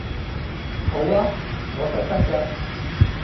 好吖，我實得㗎